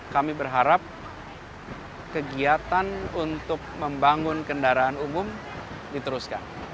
kami berharap kegiatan untuk membangun kendaraan umum diteruskan